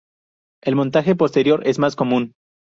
El montaje posterior es más común.